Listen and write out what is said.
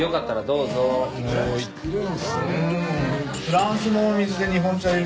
うん？